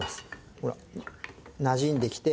ほらなじんできて。